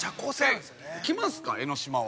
◆来ますか、江の島は。